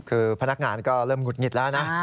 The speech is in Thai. คือพนักงานก็เริ่มหุดหงิดแล้วนะ